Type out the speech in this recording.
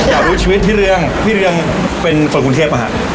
อยากรู้ชีวิตพี่เรืองพี่เรืองเป็นคนกรุงเทพอ่ะฮะ